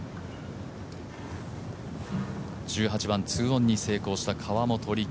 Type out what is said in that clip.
１８番、２オンに成功した河本力。